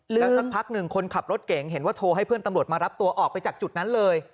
แล้วสักพักหนึ่งคนขับรถเก่งเห็นว่าโทรให้เพื่อนตำรวจมารับตัวออกไปจากจุดนั้นเลย